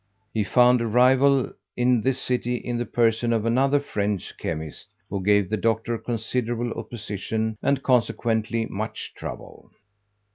He found a rival in this city in the person of another French "chemist," who gave the Doctor considerable opposition and consequently much trouble.